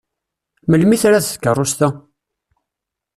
Melmi trad tkeṛṛust-a?